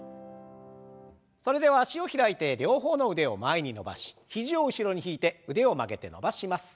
それでは脚を開いて両方の腕を前に伸ばし肘を後ろに引いて腕を曲げて伸ばします。